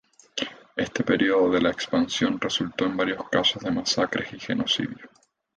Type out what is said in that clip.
Este periodo de la expansión resultó en varios casos de masacres, y genocidio.